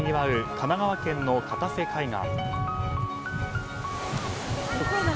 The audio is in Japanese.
神奈川県の片瀬海岸。